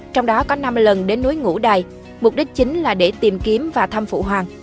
trong đó có năm lần đến núi ngũ đài mục đích chính là để tìm kiếm và thăm phụ hoàng